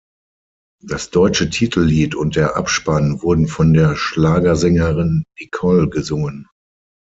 Das deutsche Titellied und der Abspann wurden von der Schlagersängerin Nicole gesungen.